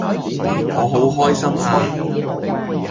我好開心呀